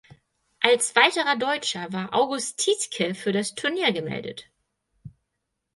Als weiterer Deutscher war August Tiedtke für das Turnier gemeldet.